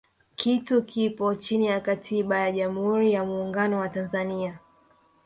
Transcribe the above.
kitu kipo chini ya katiba ya jamhuri ya muungano wa tanzania